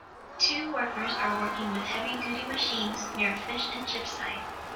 Two workers are working with heavy duty machines near a fish and chip sign.